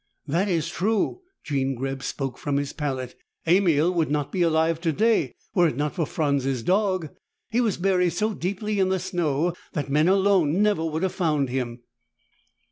"That is true," Jean Greb spoke from his pallet. "Emil would not be alive today were it not for Franz's dog. He was buried so deeply in the snow that men alone never would have found him."